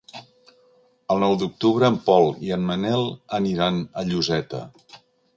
El nou d'octubre en Pol i en Manel aniran a Lloseta.